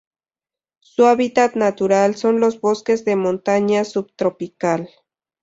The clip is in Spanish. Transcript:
Su hábitat natural son los bosques de montaña subtropical.